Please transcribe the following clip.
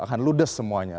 akan ludes semuanya